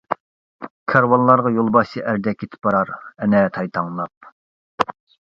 كارۋانلارغا يولباشچى ئەردەك كېتىپ بارار ئەنە تايتاڭلاپ.